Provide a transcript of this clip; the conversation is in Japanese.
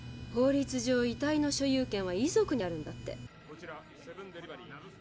法律上遺体の所有権は遺族にあるんだって。